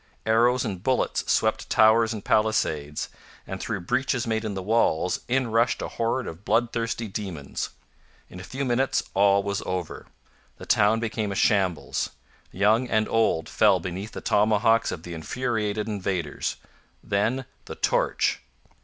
Arrows and bullets swept towers and palisades, and through breaches made in the walls in rushed a horde of bloodthirsty demons. In a few minutes all was over; the town became a shambles; young and old fell beneath the tomahawks of the infuriated invaders. Then the torch!